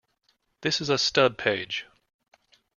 This is a stub page.